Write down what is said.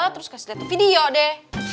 terus kasih lihat tuh video deh